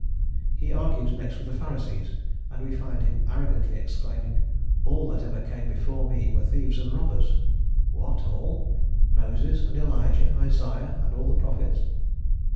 He argues next with the Pharisees, and we find him arrogantly exclaiming: "all that ever came before me were thieves and robbers." What, all? Moses and Elijah, Isaiah and all the prophets?